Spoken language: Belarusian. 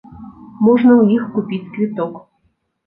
Можна ў іх купіць квіток.